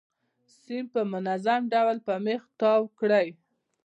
سیم په منظم ډول په میخ تاو کړئ.